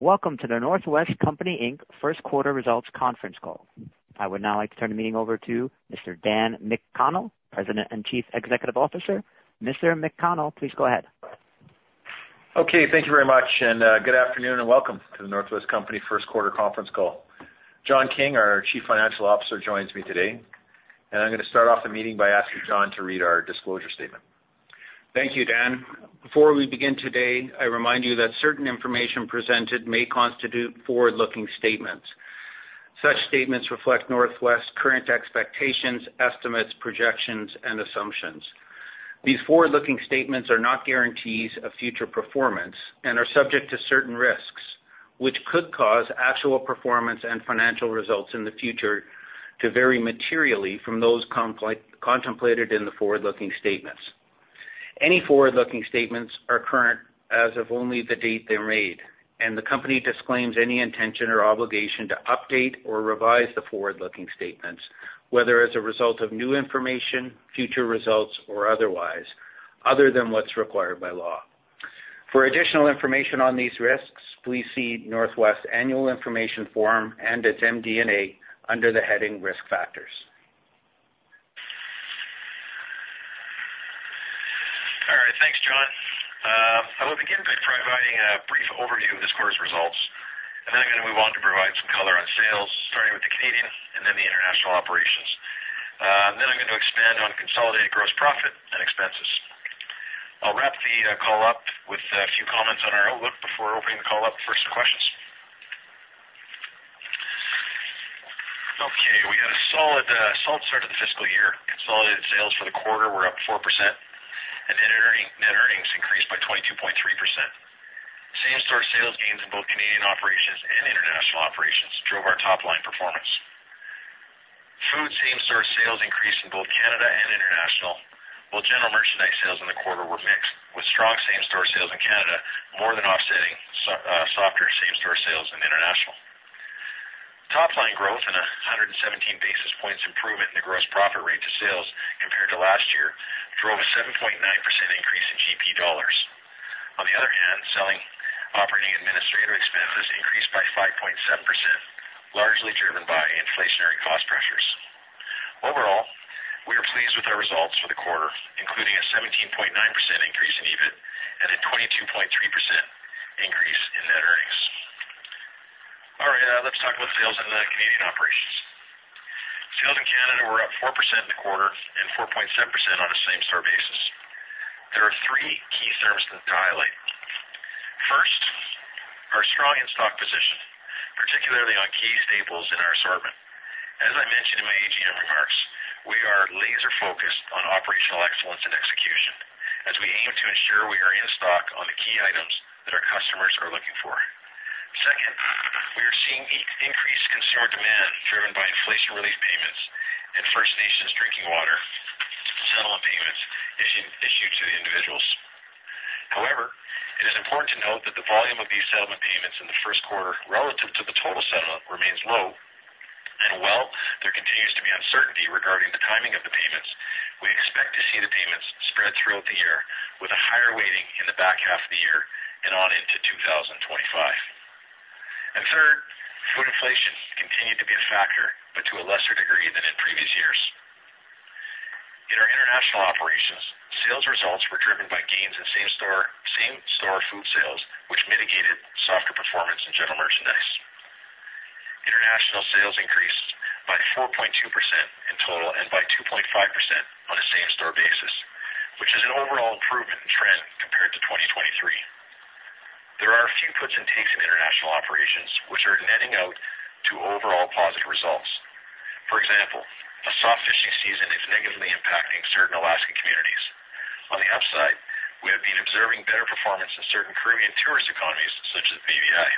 Welcome to The North West Company Inc. First Quarter Results Conference Call. I would now like to turn the meeting over to Mr. Dan McConnell, President and Chief Executive Officer. Mr. McConnell, please go ahead. Okay, thank you very much, and good afternoon and welcome to the North West Company First Quarter Conference Call. John King, our Chief Financial Officer, joins me today, and I'm gonna start off the meeting by asking John to read our disclosure statement. Thank you, Dan. Before we begin today, I remind you that certain information presented may constitute forward-looking statements. Such statements reflect North West's current expectations, estimates, projections, and assumptions. These forward-looking statements are not guarantees of future performance and are subject to certain risks, which could cause actual performance and financial results in the future to vary materially from those contemplated in the forward-looking statements. Any forward-looking statements are current as of only the date they're made, and the Company disclaims any intention or obligation to update or revise the forward-looking statements, whether as a result of new information, future results, or otherwise, other than what's required by law. For additional information on these risks, please see North West's annual information form and its MD&A under the heading Risk Factors. All right, thanks, John. I will begin by providing a brief overview of this quarter's results, and then I'm gonna move on to provide some color on sales, starting with the Canadian and then the international operations. Then I'm going to expand on consolidated gross profit and expenses. I'll wrap the call up with a few comments on our outlook before opening the call up for some questions. Okay, we had a solid, solid start to the fiscal year. Consolidated sales for the quarter were up 4%, and net earnings, net earnings increased by 22.3%. Same-store sales gains in both Canadian operations and international operations drove our top-line performance. Food same-store sales increased in both Canada and international, while general merchandise sales in the quarter were mixed, with strong same-store sales in Canada more than offsetting softer same-store sales in international. Top-line growth and 117 basis points improvement in the gross profit rate to sales compared to last year drove a 7.9% increase in GP dollars. On the other hand, selling, operating, and administrative expenses increased by 5.7%, largely driven by inflationary cost pressures. Overall, we are pleased with our results for the quarter, including a 17.9% increase in EBIT and a 22.3% increase in net earnings. All right, let's talk about sales in the Canadian operations. Sales in Canada were up 4% in the quarter and 4.7% on a same-store basis. There are three key services to highlight. First, our strong in-stock position, particularly on key staples in our assortment. As I mentioned in my AGM remarks, we are laser-focused on operational excellence and execution as we aim to ensure we are in stock on the key items that our customers are looking for. Second, we are seeing increased consumer demand driven by inflation relief payments and First Nations Drinking Water Settlement payments issued to the individuals. However, it is important to note that the volume of these settlement payments in the first quarter relative to the total settlement remains low, and while there continues to be uncertainty regarding the timing of the payments, we expect to see the payments spread throughout the year with a higher weighting in the back half of the year and on into 2025. Third, food inflation continued to be a factor, but to a lesser degree than in previous years. In our international operations, sales results were driven by gains in same-store food sales, which mitigated softer performance in general merchandise. International sales increased by 4.2% in total and by 2.5% on a same-store basis, which is an overall improvement in trend compared to 2023. There are a few puts and takes in international operations, which are netting out to overall positive results. For example, a soft fishing season is negatively impacting certain Alaskan communities. On the upside, we have been observing better performance in certain Caribbean tourist economies, such as BVI.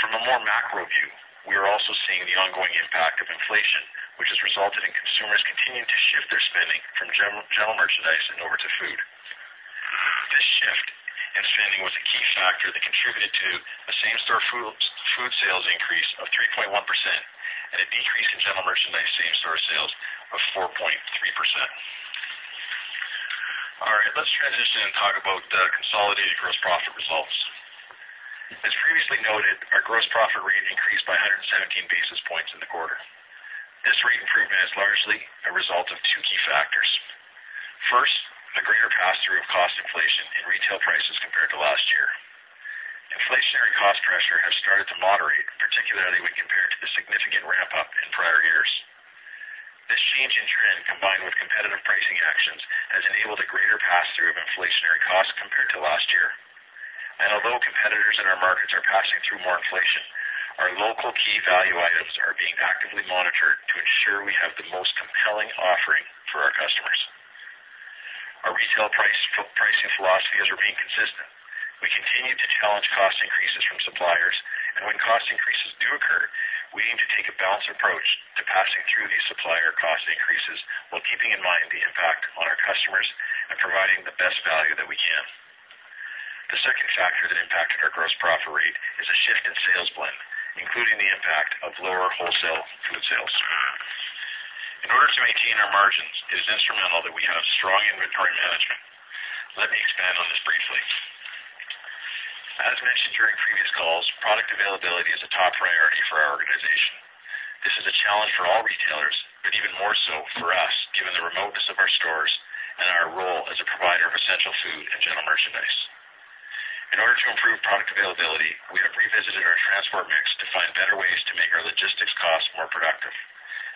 From a more macro view, we are also seeing the ongoing impact of inflation, which has resulted in consumers continuing to shift their spending from general merchandise and over to food. This shift in spending was a key factor that contributed to a same-store food sales increase of 3.1% and a decrease in general merchandise same-store sales of 4.3%. All right, let's transition and talk about the consolidated gross profit results. As previously noted, our gross profit rate increased by 117 basis points in the quarter. This rate improvement is largely a result of two key factors. First, a greater pass-through of cost inflation in retail prices compared to last year. Inflationary cost pressure has started to moderate, particularly when compared to the significant ramp-up in prior years. This change in trend, combined with competitive pricing actions, has enabled a greater pass-through of inflationary costs compared to last year. Although competitors in our markets are passing through more inflation, our local key value items are being actively monitored to ensure we have the most compelling offering for our customers. Our retail pricing philosophy has remained consistent. We continue to challenge cost increases from suppliers, and when cost increases do occur, we aim to take a balanced approach to passing through these supplier cost increases while keeping in mind the impact on our customers and providing the best value that we can. The second factor that impacted our gross profit rate is a shift in sales blend, including the impact of lower wholesale food sales. In order to maintain our margins, it is instrumental that we have strong inventory management. Let me expand on this briefly. As mentioned during previous calls, product availability is a top priority for our organization. This is a challenge for all retailers, but even more so for us, given the remoteness of our stores and our role as a provider of essential food and general merchandise. In order to improve product availability, we have revisited our transport mix to find better ways to make our logistics costs more productive.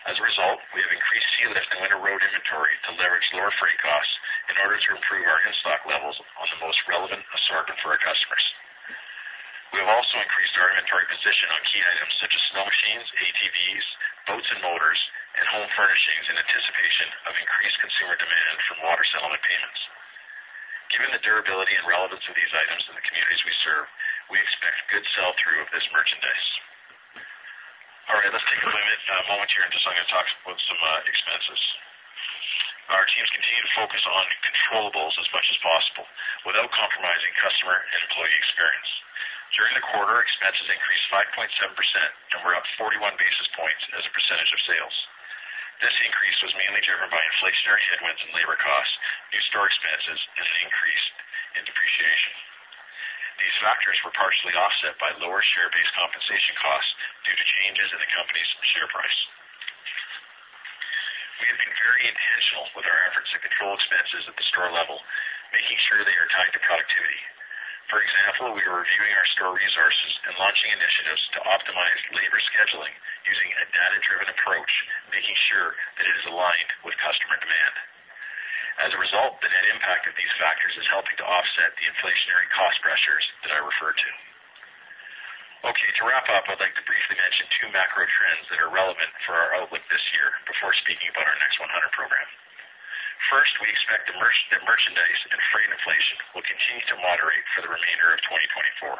As a result, we have increased sealift and winter road inventory to leverage lower freight costs in order to improve our in-stock levels on the most relevant assortment for our customers. We have also increased our inventory position on key items such as snow machines, ATVs, boats and motors, and home furnishings, in anticipation of increased consumer demand from water settlement payments. Given the durability and relevance of these items in the communities we serve, we expect good sell-through of this merchandise. All right, let's take a limited moment here, and just I'm going to talk about some expenses. Our teams continue to focus on controllables as much as possible, without compromising customer and employee experience. During the quarter, expenses increased 5.7% and were up 41 basis points as a percentage of sales. This increase was mainly driven by inflationary headwinds and labor costs, new store expenses, and an increase in depreciation. These factors were partially offset by lower share-based compensation costs due to changes in the company's share price. We have been very intentional with our efforts to control expenses at the store level, making sure they are tied to productivity. For example, we are reviewing our store resources and launching initiatives to optimize labor scheduling using a data-driven approach, making sure that it is aligned with customer demand. As a result, the net impact of these factors is helping to offset the inflationary cost pressures that I referred to. Okay, to wrap up, I'd like to briefly mention two macro trends that are relevant for our outlook this year before speaking about our Next 100 program. First, we expect the merchandise and freight inflation will continue to moderate for the remainder of 2024.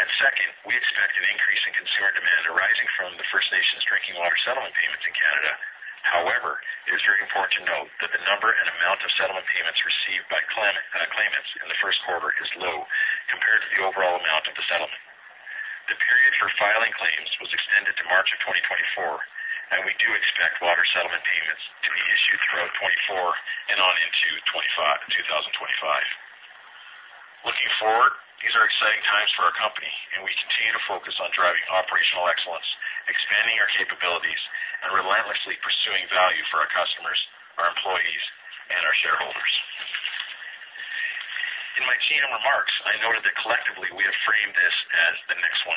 And second, we expect an increase in consumer demand arising from the First Nations Drinking Water Settlement payments in Canada. However, it is very important to note that the number and amount of settlement payments received by claimants in the first quarter is low compared to the overall amount of the settlement. The period for filing claims was extended to March of 2024, and we do expect water settlement payments to be issued throughout 2024 and on into 2025. Looking forward, these are exciting times for our company, and we continue to focus on driving operational excellence, expanding our capabilities, and relentlessly pursuing value for our customers, our employees, and our shareholders. In my keynote remarks, I noted that collectively we have framed this as the Next 100.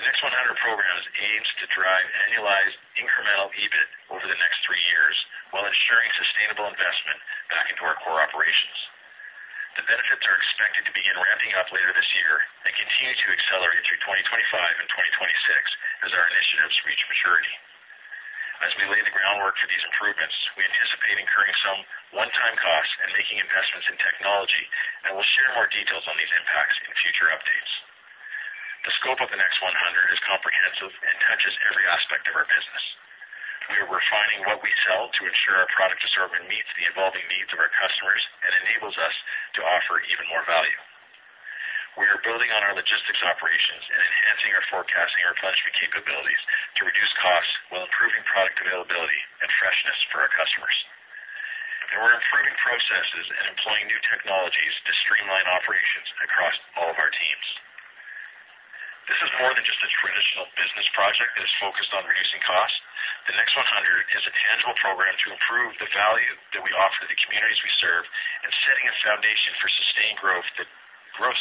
The Next 100 program aims to drive annualized incremental EBIT over the next three years, while ensuring sustainable investment back into our core operations. The benefits are expected to begin ramping up later this year and continue to accelerate through 2025 and 2026 as our initiatives reach maturity. As we lay the groundwork for these improvements, we anticipate incurring some one-time costs and making investments in technology, and we'll share more details on these impacts in future updates. The scope of the Next 100 is comprehensive and touches every aspect of our business. We are refining what we sell to ensure our product assortment meets the evolving needs of our customers and enables us to offer even more value. We are building on our logistics operations and enhancing our forecasting and replenishment capabilities to reduce costs while improving product availability and freshness for our customers. We're improving processes and employing new technologies to streamline operations across all of our teams. This is more than just a traditional business project that is focused on reducing costs. The Next 100 is a tangible program to improve the value that we offer to the communities we serve and setting a foundation for sustained growth,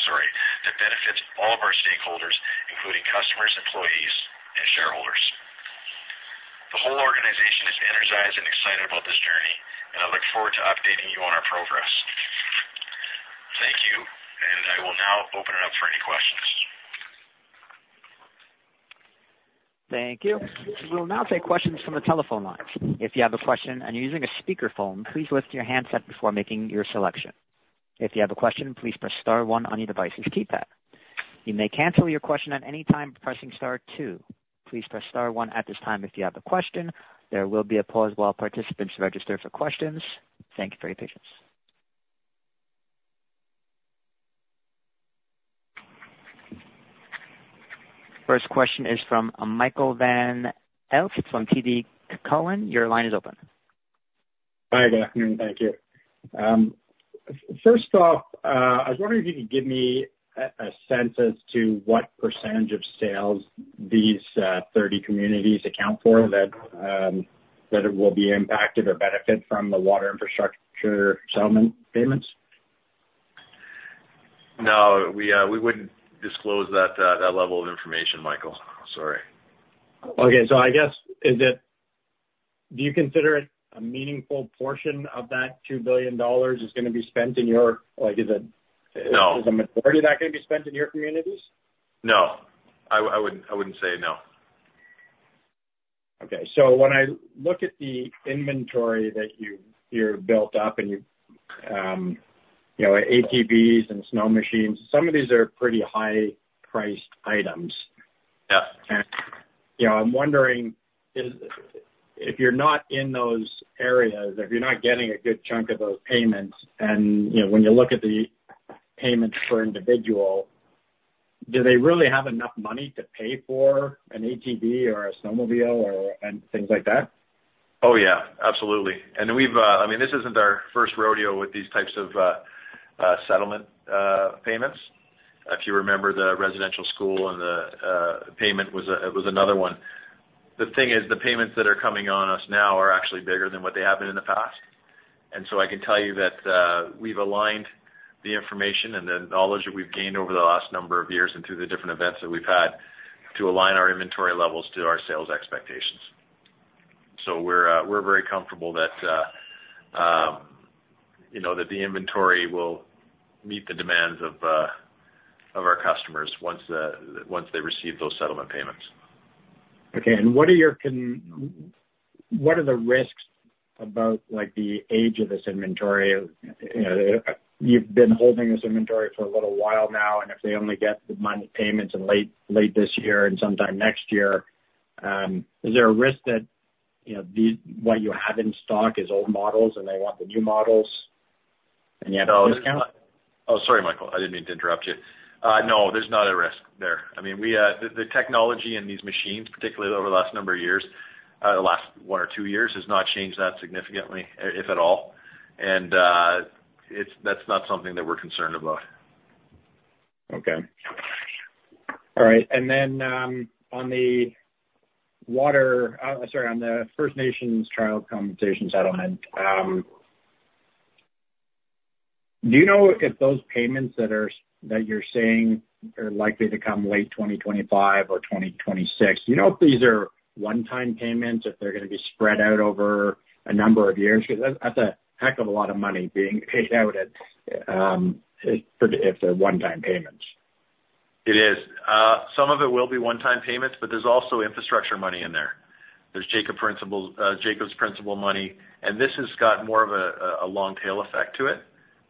sorry, that benefits all of our stakeholders, including customers, employees, and shareholders. The whole organization is energized and excited about this journey, and I look forward to updating you on our progress. Thank you, and I will now open it up for any questions. Thank you. We'll now take questions from the telephone lines. If you have a question and you're using a speakerphone, please lift your handset before making your selection. If you have a question, please press star one on your device's keypad. You may cancel your question at any time by pressing star two. Please press star one at this time if you have a question. There will be a pause while participants register for questions. Thank you for your patience. First question is from Michael Van Aelst from TD Cowen. Your line is open. Hi, good afternoon. Thank you. First off, I was wondering if you could give me a sense as to what percentage of sales these 30 communities account for, that it will be impacted or benefit from the water infrastructure settlement payments? No, we wouldn't disclose that level of information, Michael. Sorry. Okay, so I guess, is it-- Do you consider it a meaningful portion of that 2 billion dollars is gonna be spent in your... Like, is it- No. Is a majority of that gonna be spent in your communities? No, I wouldn't, I wouldn't say, no. Okay, so when I look at the inventory that you've built up and, you know, ATVs and snow machines, some of these are pretty high-priced items. Yeah. You know, I'm wondering, is, if you're not in those areas, if you're not getting a good chunk of those payments, and, you know, when you look at the payments per individual-... Do they really have enough money to pay for an ATV or a snowmobile or, and things like that? Oh, yeah, absolutely. And we've, I mean, this isn't our first rodeo with these types of settlement payments. If you remember, the residential school and the payment was it was another one. The thing is, the payments that are coming on us now are actually bigger than what they have been in the past. And so I can tell you that, we've aligned the information and the knowledge that we've gained over the last number of years and through the different events that we've had, to align our inventory levels to our sales expectations. So we're, we're very comfortable that, you know, that the inventory will meet the demands of our customers once they receive those settlement payments. Okay. And what are the risks about, like, the age of this inventory? You know, you've been holding this inventory for a little while now, and if they only get the money payments in late this year and sometime next year, is there a risk that, you know, what you have in stock is old models, and they want the new models, and you have to discount? Oh, sorry, Michael, I didn't mean to interrupt you. No, there's not a risk there. I mean, we, the technology in these machines, particularly over the last number of years, the last one or two years, has not changed that significantly, if at all. And, it's, that's not something that we're concerned about. Okay. All right. And then, sorry, on the First Nations Child and Family Services Settlement, do you know if those payments that are, that you're saying are likely to come late 2025 or 2026, do you know if these are one-time payments, if they're gonna be spread out over a number of years? Because that's, that's a heck of a lot of money being paid out at, if, if they're one-time payments. It is. Some of it will be one-time payments, but there's also infrastructure money in there. There's Jordan's Principle money, and this has got more of a long tail effect to it,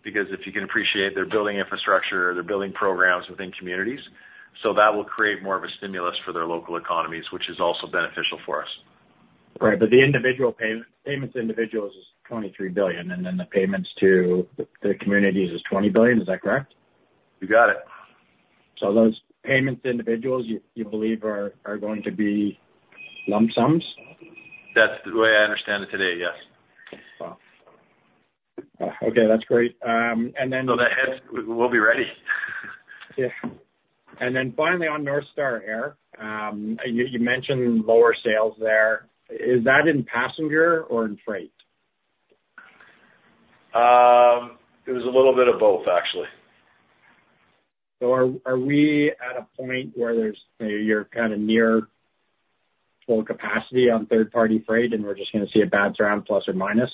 because if you can appreciate, they're building infrastructure, they're building programs within communities. So that will create more of a stimulus for their local economies, which is also beneficial for us. Right. But the individual payment, payments to individuals is 23 billion, and then the payments to the communities is 20 billion. Is that correct? You got it. So those payments to individuals, you believe are going to be lump sums? That's the way I understand it today, yes. Wow. Okay, that's great. And then- So the hit, we'll be ready. Yeah. And then finally, on North Star Air, you mentioned lower sales there. Is that in passenger or in freight? It was a little bit of both, actually. So, are we at a point where there is, you're kind of near full capacity on third-party freight, and we're just gonna see a bad trend, plus or minus?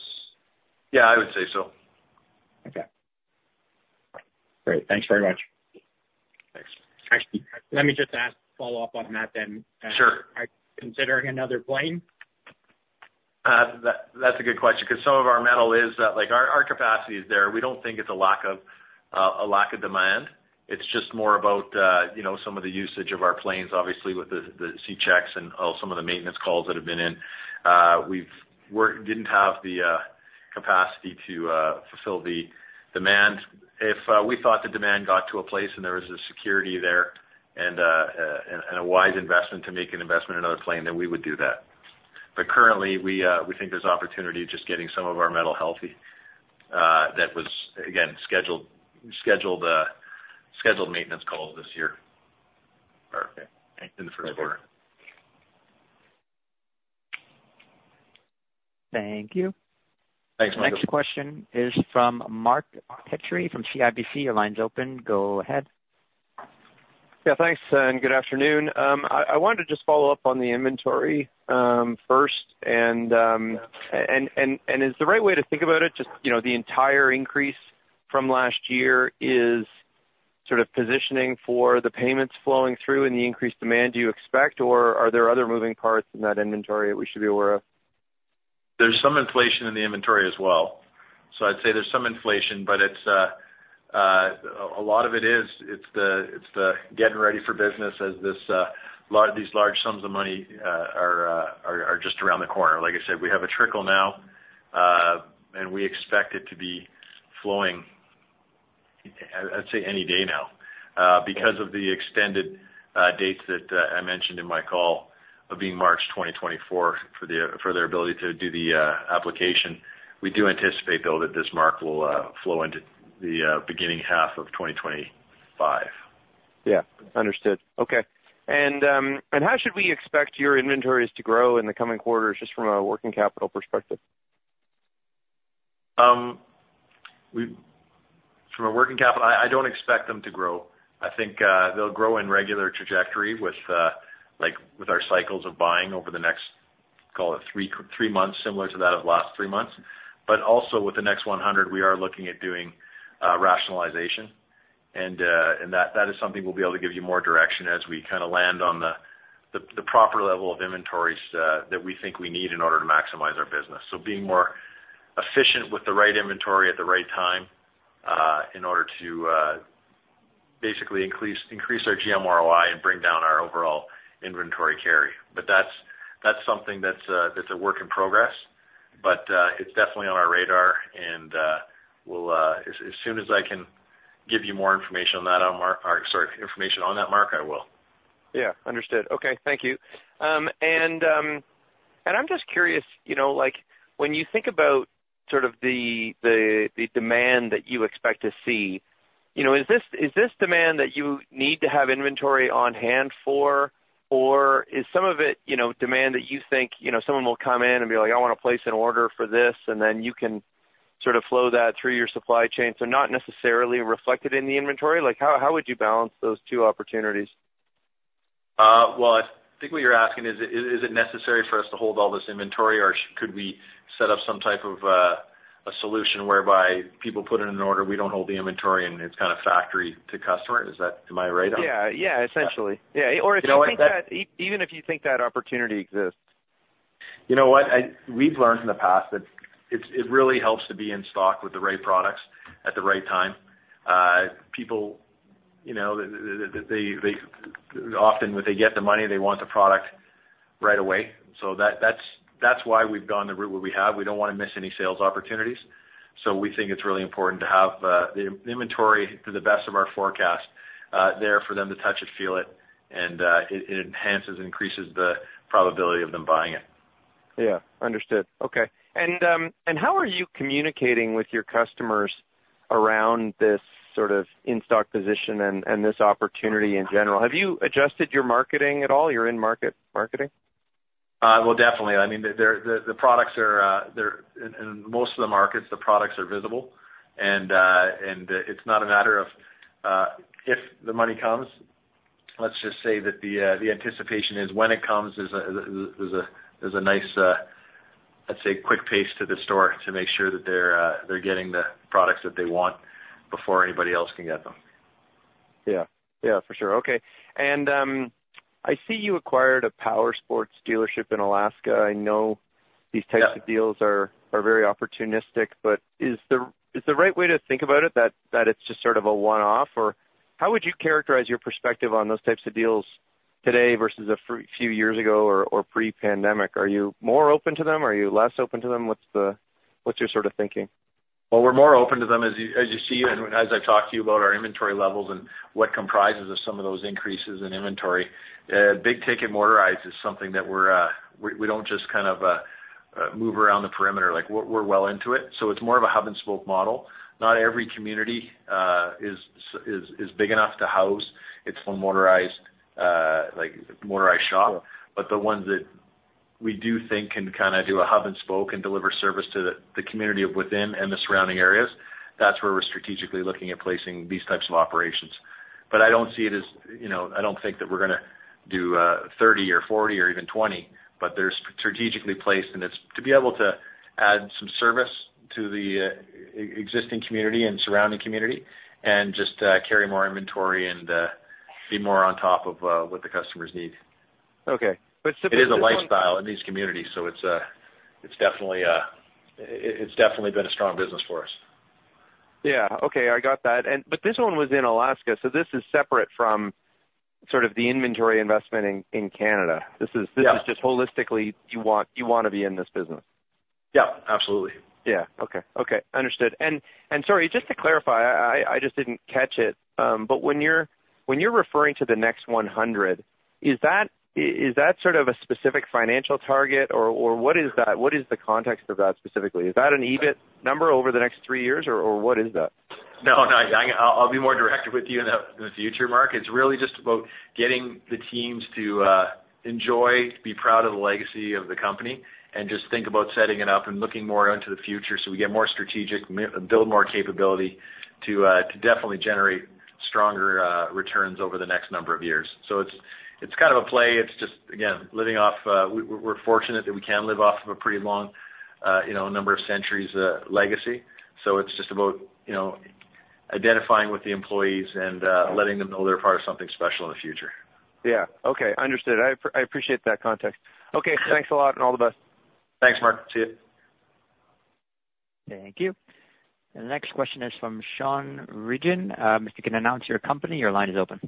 Yeah, I would say so. Okay. Great. Thanks very much. Thanks. Actually, let me just ask a follow-up on that then. Sure. Are you considering another plane? That, that's a good question, because some of our metal is, like, our, our capacity is there. We don't think it's a lack of, a lack of demand. It's just more about, you know, some of the usage of our planes, obviously, with the, the C-checks and, some of the maintenance calls that have been in. We didn't have the capacity to fulfill the demand. If we thought the demand got to a place, and there was a security there and, and a wise investment to make an investment in another plane, then we would do that. But currently, we, we think there's opportunity just getting some of our metal healthy, that was, again, scheduled maintenance calls this year. Perfect. In the first quarter. Thank you. Thanks, Michael. The next question is from Mark Petrie, from CIBC. Your line's open. Go ahead. Yeah, thanks, and good afternoon. I wanted to just follow up on the inventory first, and is the right way to think about it just, you know, the entire increase from last year is sort of positioning for the payments flowing through and the increased demand you expect, or are there other moving parts in that inventory that we should be aware of? There's some inflation in the inventory as well. So I'd say there's some inflation, but it's a lot of it is, it's the getting ready for business as this a lot of these large sums of money are just around the corner. Like I said, we have a trickle now, and we expect it to be flowing, I'd say any day now. Because of the extended dates that I mentioned in my call of being March 2024 for their ability to do the application, we do anticipate, though, that this mark will flow into the beginning half of 2025. Yeah, understood. Okay. And how should we expect your inventories to grow in the coming quarters, just from a working capital perspective? From a working capital, I don't expect them to grow. I think, they'll grow in regular trajectory with, like, with our cycles of buying over the next, call it three months, similar to that of last three months. But also, with the Next 100, we are looking at doing rationalization, and that is something we'll be able to give you more direction as we kind of land on the proper level of inventories that we think we need in order to maximize our business. So being more efficient with the right inventory at the right time in order to basically increase our GMROI and bring down our overall inventory carry. Something that's a work in progress, but it's definitely on our radar. And we'll, as soon as I can give you more information on that, Mark, or, sorry, information on that, Mark, I will. Yeah, understood. Okay. Thank you. And I'm just curious, you know, like, when you think about sort of the demand that you expect to see, you know, is this demand that you need to have inventory on hand for? Or is some of it, you know, demand that you think, you know, someone will come in and be like, "I wanna place an order for this," and then you can sort of flow that through your supply chain, so not necessarily reflected in the inventory? Like, how would you balance those two opportunities? Well, I think what you're asking is, is it necessary for us to hold all this inventory, or could we set up some type of, a solution whereby people put in an order, we don't hold the inventory, and it's kind of factory to customer? Is that—am I right on? Yeah. Yeah, essentially. Yeah. Yeah, or if you think that- You know what? That- Even if you think that opportunity exists. You know what? We've learned in the past that it's, it really helps to be in stock with the right products at the right time. People, you know, they, they often, when they get the money, they want the product right away. So that's, that's why we've gone the route where we have. We don't wanna miss any sales opportunities. So we think it's really important to have, the inventory to the best of our forecast, there for them to touch it, feel it, and, it, it enhances and increases the probability of them buying it. Yeah, understood. Okay. And how are you communicating with your customers around this sort of in-stock position and this opportunity in general? Have you adjusted your marketing at all, your in-market marketing? Well, definitely. I mean, the products are they're... In most of the markets, the products are visible, and it's not a matter of if the money comes. Let's just say that the anticipation is when it comes, there's a nice, let's say, quick pace to the store to make sure that they're getting the products that they want before anybody else can get them. Yeah. Yeah, for sure. Okay. And, I see you acquired a powersports dealership in Alaska. I know- Yeah... these types of deals are very opportunistic, but is the right way to think about it, that it's just sort of a one-off? Or how would you characterize your perspective on those types of deals today versus a few years ago or pre-pandemic? Are you more open to them? Are you less open to them? What's your sort of thinking? Well, we're more open to them, as you see, and as I talked to you about our inventory levels and what comprises of some of those increases in inventory. Big ticket motorized is something that we don't just kind of move around the perimeter, like, we're well into it. So it's more of a hub and spoke model. Not every community is big enough to house its own motorized, like, motorized shop. Sure. But the ones that we do think can kind of do a hub and spoke and deliver service to the community within and the surrounding areas, that's where we're strategically looking at placing these types of operations. But I don't see it as... You know, I don't think that we're gonna do 30 or 40 or even 20, but they're strategically placed, and it's to be able to add some service to the existing community and surrounding community and just carry more inventory and be more on top of what the customers need. Okay, but typically- It is a lifestyle in these communities, so it's definitely been a strong business for us. Yeah. Okay, I got that. But this one was in Alaska, so this is separate from sort of the inventory investment in Canada. Yeah. This is just holistically, you wanna be in this business? Yeah, absolutely. Yeah. Okay. Okay, understood. And sorry, just to clarify, I just didn't catch it, but when you're referring to the Next 100, is that sort of a specific financial target or what is that? What is the context of that specifically? Is that an EBIT number over the next three years, or what is that? No, I'll be more direct with you in the future, Mark. It's really just about getting the teams to enjoy, be proud of the legacy of the company, and just think about setting it up and looking more into the future so we get more strategic, build more capability to definitely generate stronger returns over the next number of years. So it's kind of a play. It's just, again, living off... We're fortunate that we can live off of a pretty long, you know, number of centuries, legacy. So it's just about, you know, identifying with the employees and letting them know they're part of something special in the future. Yeah. Okay, understood. I appreciate that context. Yeah. Okay, thanks a lot, and all the best. Thanks, Mark. See you. Thank you. The next question is from Sean Regan. If you can announce your company, your line is open.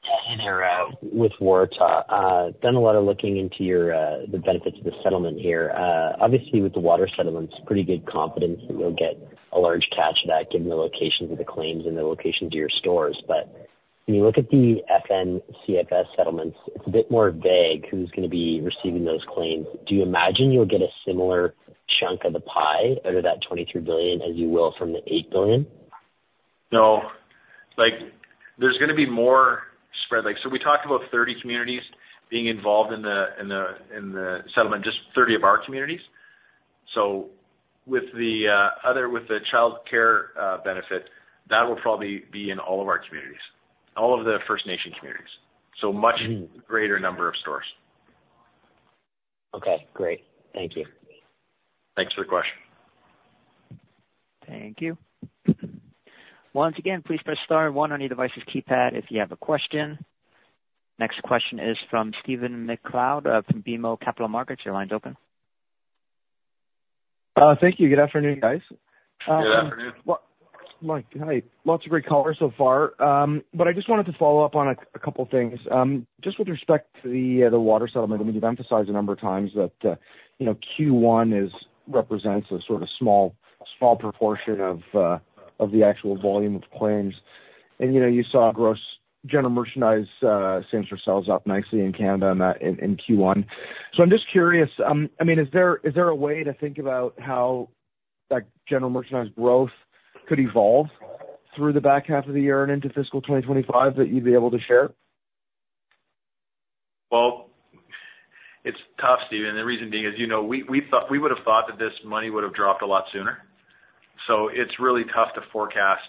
Hey there, with Veritas. Done a lot of looking into your, the benefits of the settlement here. Obviously, with the water settlements, pretty good confidence that you'll get a large catch of that, given the locations of the claims and the locations of your stores. But when you look at the FN CFS settlements, it's a bit more vague who's gonna be receiving those claims. Do you imagine you'll get a similar chunk of the pie out of that 23 billion, as you will from the 8 billion? No. Like, there's gonna be more spread. Like, so we talked about 30 communities being involved in the settlement, just 30 of our communities. So with the other, with the childcare benefit, that will probably be in all of our communities, all of the First Nations communities. Mm-hmm. Much greater number of stores. Okay, great. Thank you. Thanks for the question. Thank you. Once again, please press star one on your device's keypad if you have a question. Next question is from Stephen MacLeod from BMO Capital Markets. Your line's open.... Thank you. Good afternoon, guys. Good afternoon. Mike, hi. Lots of great color so far, but I just wanted to follow up on a couple things. Just with respect to the water settlement, I mean, you've emphasized a number of times that, you know, Q1 represents a sort of small, small proportion of the actual volume of claims. And, you know, you saw gross general merchandise same-store sales up nicely in Canada and that in Q1. So I'm just curious, I mean, is there a way to think about how that general merchandise growth could evolve through the back half of the year and into fiscal 2025 that you'd be able to share? Well, it's tough, Stephen, and the reason being is, you know, we thought we would've thought that this money would've dropped a lot sooner. So it's really tough to forecast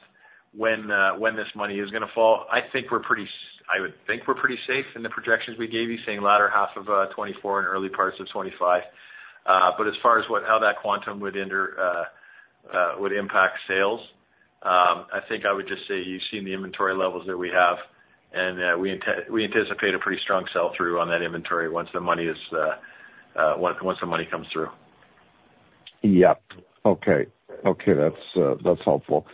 when this money is gonna fall. I think we're pretty safe. I would think we're pretty safe in the projections we gave you, saying latter half of 2024 and early parts of 2025. But as far as what... How that quantum would enter would impact sales, I think I would just say you've seen the inventory levels that we have, and we anticipate a pretty strong sell-through on that inventory once the money comes through. Yeah. Okay. Okay, that's helpful.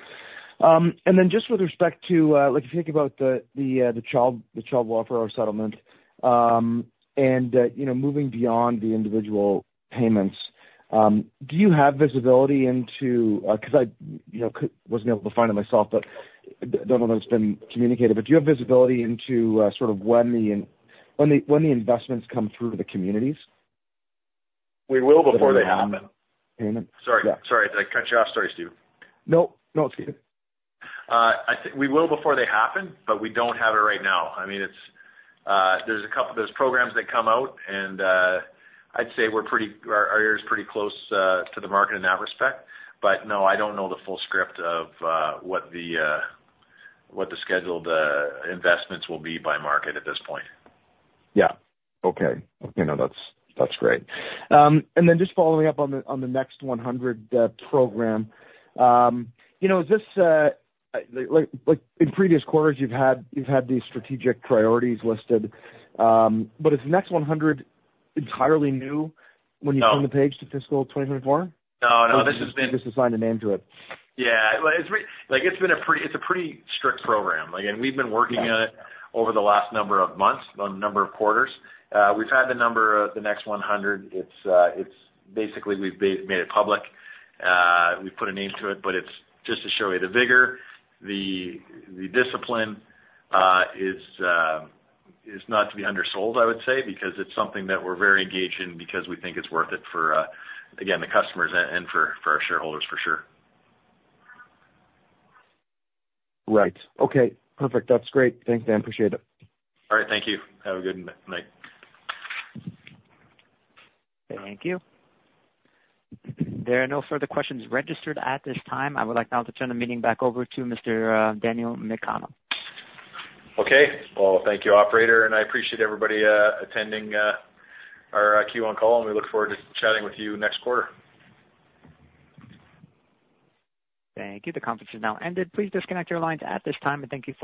And then just with respect to, like, if you think about the child welfare settlement, and, you know, moving beyond the individual payments, do you have visibility into, 'cause I, you know, couldn't find it myself, but don't know if it's been communicated, but do you have visibility into sort of when the investments come through to the communities? We will before they happen. Mm-hmm. Sorry. Yeah. Sorry, did I cut you off? Sorry, Steve. No, no, it's good. I think we will before they happen, but we don't have it right now. I mean, it's, there's a couple... There's programs that come out, and, I'd say we're pretty... Our, our ear is pretty close, to the market in that respect. But no, I don't know the full script of, what the, what the scheduled, investments will be by market at this point. Yeah. Okay. You know, that's, that's great. And then just following up on the Next 100 program. You know, is this like in previous quarters, you've had these strategic priorities listed, but is the Next 100 entirely new- No -when you turn the page to fiscal 2024? No, no, this has been- Just assigned a name to it. Yeah. Well, it's really like, it's been a pretty... It's a pretty strict program. Like, we've been working on it over the last number of months, on a number of quarters. We've had the Next 100. It's basically, we've made it public. We've put a name to it, but it's just to show you the vigor, the, the discipline is not to be undersold, I would say, because it's something that we're very engaged in because we think it's worth it for, again, the customers and, and for, for our shareholders, for sure. Right. Okay, perfect. That's great. Thanks, Dan. Appreciate it. All right, thank you. Have a good night, night. Thank you. There are no further questions registered at this time. I would like now to turn the meeting back over to Mr. Daniel McConnell. Okay. Well, thank you, operator, and I appreciate everybody attending our Q1 call, and we look forward to chatting with you next quarter. Thank you. The conference is now ended. Please disconnect your lines at this time, and thank you for your participation.